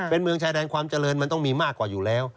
เป็นเมืองชายแดนความเจริญมันต้องมีมากกว่าอยู่แล้ว